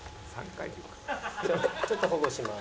「ちょっと保護します」。